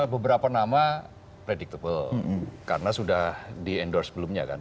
beberapa nama predictable karena sudah di endorse sebelumnya kan